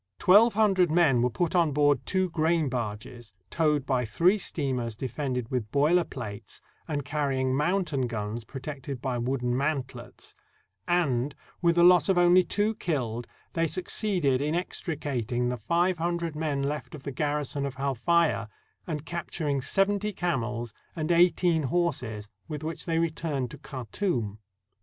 Twelve hundred men were put on board two grain barges, towed by three 241 EGYPT steamers defended with boiler plates, and carrying mountain guns protected by wooden mantlets; and, with the loss of only two killed, they succeeded in extricating the five hundred men left of the garrison of Halfaya, and capturing seventy camels and eighteen horses, with which they returned to Khartoum.